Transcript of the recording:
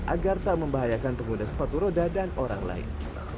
agar tak membahayakan pengguna sepatu roda dan orang lain